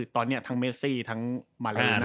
ตอนนี้ทั้งเมซี่ทั้งมาเล่น